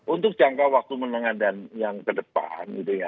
untuk jangka waktu menengah dan yang kedepan